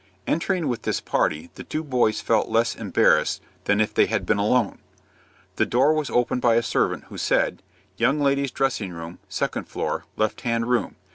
Entering with this party, the two boys felt less embarrassed than if they had been alone. The door was opened by a servant, who said, "Young ladies' dressing room, second floor, left hand room.